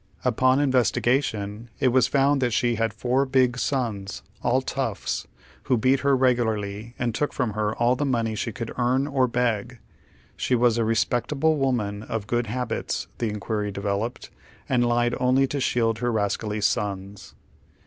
Upon investigation it was found that she had four big sons, all toughs, who beat her regularly and took from her all the money she could earn or beg ; she was "a respectable woman, of good habits," the inquiry developed, and Ued only to shield her rascally sons.